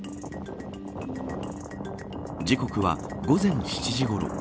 時刻は午前７時ごろ。